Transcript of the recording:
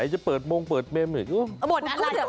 ไหนจะเปิดโมงเปิดเม็น